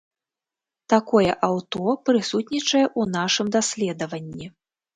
Такое аўто прысутнічае ў нашым даследаванні.